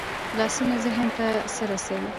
لاسونه ذهن ته څه رسوي